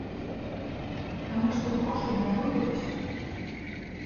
Таму што грошы ў яго ёсць.